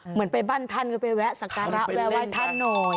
เหมือนไปบ้านท่านก็ไปแวะสักการะแวะไหว้ท่านหน่อย